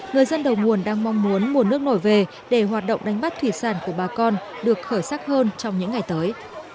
người dân đầu nguồn đang mong muốn mùa nước nổi về để hoạt động đánh bắt thủy sản của bà con được khởi sắc hơn trong những ngày tới